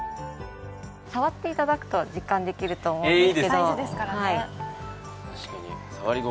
触っていただくと実感できると思います。